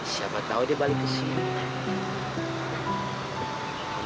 siapa tahu dia balik ke sini